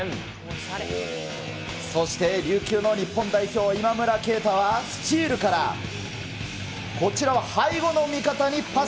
そして、琉球の日本代表、今村佳太はスチールから、こちらは背後の味方にパス。